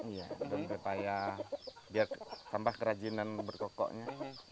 daun pepaya biar tambah kerajinan berkokoknya